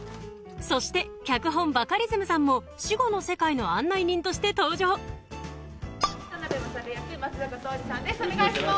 そして脚本バカリズムさんも死後の世界の案内人として登場田勝役松坂桃李さんです